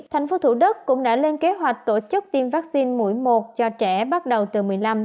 tp hcm cũng đã lên kế hoạch tổ chức tiêm vaccine mũi một cho trẻ bắt đầu từ một mươi năm hai mươi